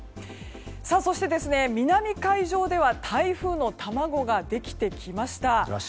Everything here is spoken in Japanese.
そして、南海上では台風の卵ができてきました。